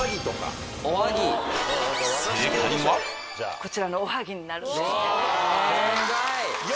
こちらのおはぎになるんです。